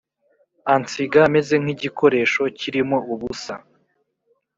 ansiga meze nk igikoresho kirimo ubusa